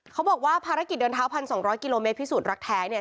เขาบอกว่าภารกิจเดินเท้า๑๒๐๐กิโลเมตรพิสูจนรักแท้เนี่ย